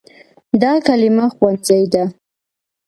دا کلمه “ښوونځی” ده.